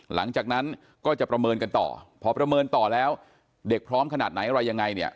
หลังจากนั้นก็จะประเมินกันต่อพอประเมินต่อแล้วเด็กพร้อมขนาดไหนอะไรยังไงเนี่ย